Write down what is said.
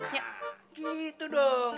nah gitu dong